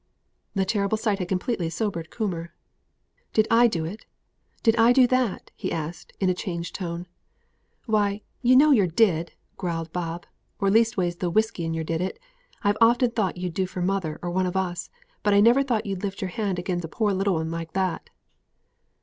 The terrible sight had completely sobered Coomber. "Did I do it? Did I do that?" he asked, in a changed voice. "Why, yer know yer did," growled Bob; "or leastways the whisky in yer did it. I've often thought you'd do for mother, or one of us; but I never thought yer'd lift yer hand agin a poor little 'un like that."